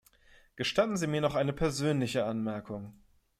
Gestatten Sie mir noch eine persönliche Anmerkung.